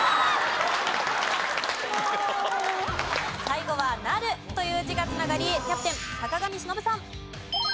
最後は「成る」という字が繋がりキャプテン坂上忍さん。